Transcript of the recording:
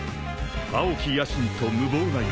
［青き野心と無謀な夢］